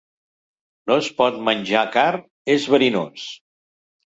No es pot menjar car és verinós.